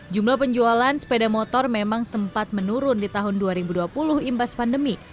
jumlah penjualan sepeda motor memang sempat menurun di tahun dua ribu dua puluh imbas pandemi